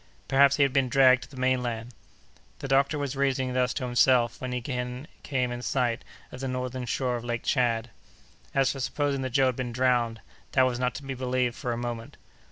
Perhaps he had been dragged to the mainland. The doctor was reasoning thus to himself, when he again came in sight of the northern shore of Lake Tchad. As for supposing that Joe had been drowned, that was not to be believed for a moment.